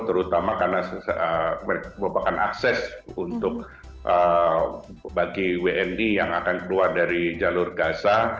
terutama karena merupakan akses untuk bagi wni yang akan keluar dari jalur gaza